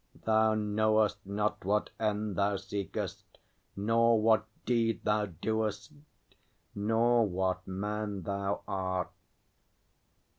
Thou knowest not what end thou seekest, nor What deed thou doest, nor what man thou art!